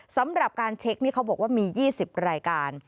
สำหรับการเช็คนี่เขาบอกว่ามี๒๐รายการ